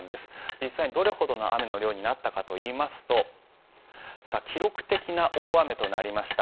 実際にどれほどの雨の量になったかといいますと記録的な大雨となりました。